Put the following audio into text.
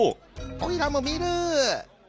「おいらもみる」。